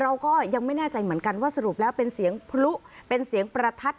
เราก็ยังไม่แน่ใจเหมือนกันว่าสรุปแล้วเป็นเสียงพลุเป็นเสียงประทัด